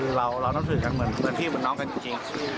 คือเรานับถือกันเหมือนพี่เหมือนน้องกันจริง